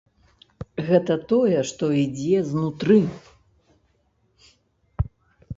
Гэта тое, што ідзе знутры.